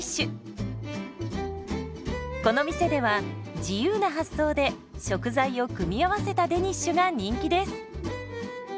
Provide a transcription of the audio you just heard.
この店では自由な発想で食材を組み合わせたデニッシュが人気です。